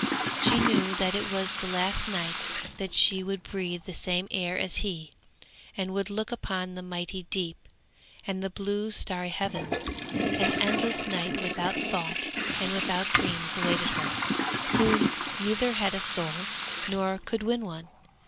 She knew that it was the last night that she would breathe the same air as he, and would look upon the mighty deep, and the blue starry heavens; an endless night without thought and without dreams awaited her, who neither had a soul, nor could win one.